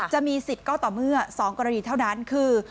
จะมีสิทธิ์ก็ต่อเมื่อ๒กรณีเท่านั้นคือ